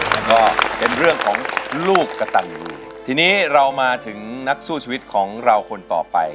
แล้วก็เป็นเรื่องของลูกกระตันยูทีนี้เรามาถึงนักสู้ชีวิตของเราคนต่อไป